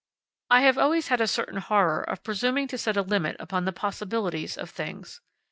I have always had a certain horror of presuming to set a limit upon the possibilities of things.